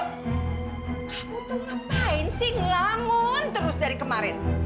kamu tuh ngapain sih ngangun terus dari kemarin